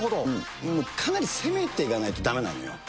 もうかなり攻めていかないとだめなんだよ。